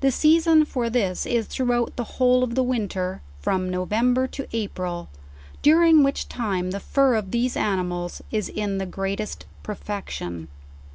The season for this is throughout the whole of the winter, from November to April; during which time the fur of these animals is in the greatest perfection.